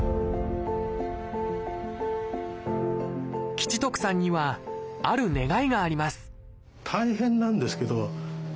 吉徳さんにはある願いがあります